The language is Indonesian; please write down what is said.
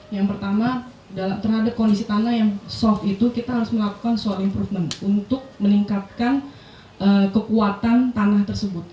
yang pertama terhadap kondisi tanah yang soft itu kita harus melakukan soft improvement untuk meningkatkan kekuatan tanah tersebut